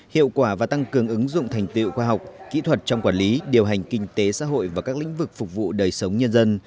hiệu quả và tăng cường ứng dụng thành tiệu khoa học kỹ thuật trong quản lý điều hành kinh tế xã hội và các lĩnh vực phục vụ đời sống nhân dân